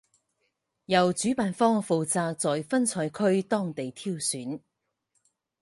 由主办方负责在分赛区当地挑选。